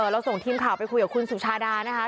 เราส่งทีมข่าวไปคุยกับคุณสุชาดานะคะ